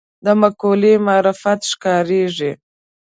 دا مقولې معرفتي ښکارېږي